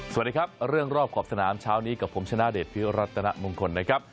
สวัสดีครับเรื่องรอบขอบสนามเช้านี้กับผมชนะเดชพิรัตนมงคลนะครับ